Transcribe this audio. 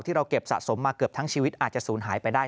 เราเก็บสะสมมาเกือบทั้งชีวิตอาจจะศูนย์หายไปได้